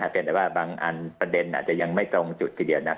เพียงแต่ว่าบางประเด็นอาจจะยังไม่ตรงจุดที่เดียวนัก